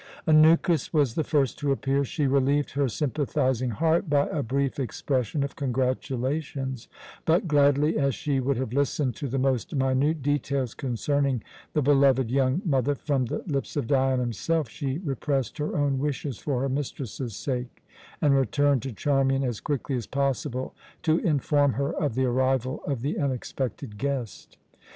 Anukis was the first to appear. She relieved her sympathizing heart by a brief expression of congratulations; but, gladly as she would have listened to the most minute details concerning the beloved young mother from the lips of Dion himself, she repressed her own wishes for her mistress's sake, and returned to Charmian as quickly as possible to inform her of the arrival of the unexpected guest.